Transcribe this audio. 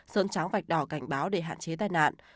sơn cháo vạch đỏ cảnh báo để hạn chế tai nạn